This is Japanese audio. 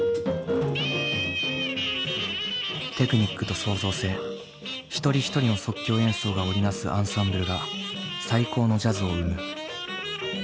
テクニックと創造性一人一人の即興演奏が織り成すアンサンブルが最高のジャズを生む。